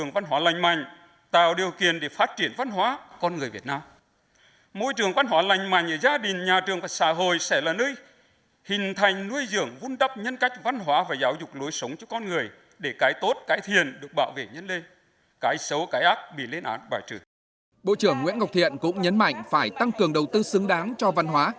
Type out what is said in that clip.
bộ trưởng nguyễn ngọc thiện cũng nhấn mạnh phải tăng cường đầu tư xứng đáng cho văn hóa